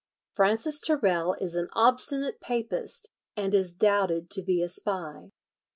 Francis Tirrell is an obstinate papist, and is doubted to be a spy."